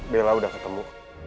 bella udah ketemu